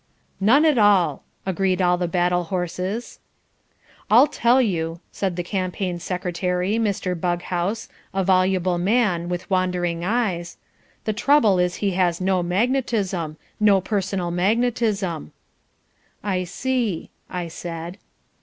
"None at all," agreed all the battle horses. "I'll tell you," said the Campaign secretary, Mr. Bughouse, a voluble man, with wandering eyes "the trouble is he has no magnetism, no personal magnetism." "I see," I said.